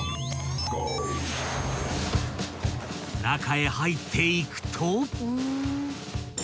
［中へ入っていくと］